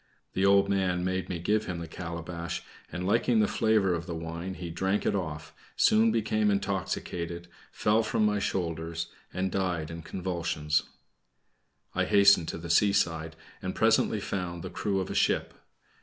The old man made me give him the calabash, and liking the flavor of the wine, he drank it off, soon became intoxicated, fell from my shoulders, and, died in convulsions. I hastened to the seaside, and presently found the crew of a ship.